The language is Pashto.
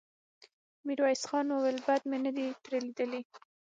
ميرويس خان وويل: بد مې نه دې ترې ليدلي.